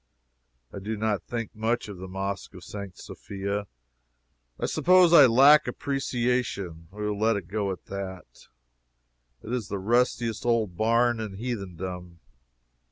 I do not think much of the Mosque of St. Sophia. I suppose I lack appreciation. We will let it go at that. It is the rustiest old barn in heathendom.